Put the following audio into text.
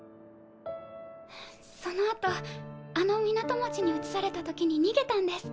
そのあとあの港町に移されたときに逃げたんです。